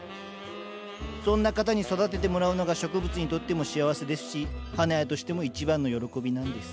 そんな方に育ててもらうのが植物にとっても幸せですし花屋としても一番の喜びなんです。